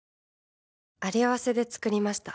「ありあわせで作りました。